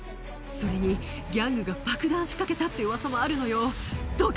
それに、ギャングが爆弾仕掛けたってうわさもあるのよ。